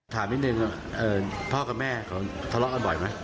ถามนิดนึงพ่อกับแม่เขาทะเลาะกันบ่อยไหม